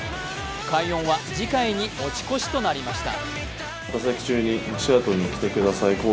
快音は次回に持ち越しとなりました。